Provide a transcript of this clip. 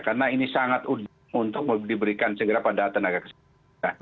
karena ini sangat untuk diberikan segera pada tenaga keseluruhan